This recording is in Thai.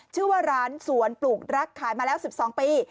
ชื่อว่าร้านสวนปลูกรักขายมาแล้ว๑๒ปี